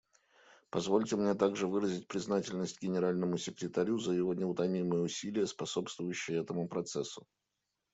Позвольте мне также выразить признательность Генеральному секретарю за его неутомимые усилия, способствующие этому процессу.